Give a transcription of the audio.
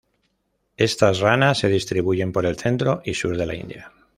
Estas ranas se distribuyen por el centro y sur de la India.